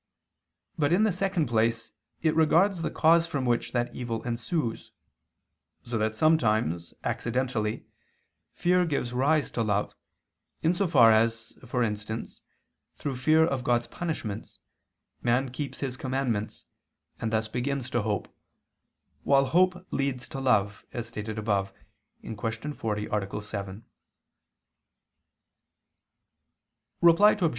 But, in the second place, it regards the cause from which that evil ensues: so that sometimes, accidentally, fear gives rise to love; in so far as, for instance, through fear of God's punishments, man keeps His commandments, and thus begins to hope, while hope leads to love, as stated above (Q. 40, A. 7). Reply Obj.